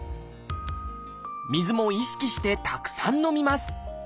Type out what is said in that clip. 水も意識してたくさん飲みます。